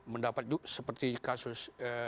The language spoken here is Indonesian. mendapat juga seperti kasus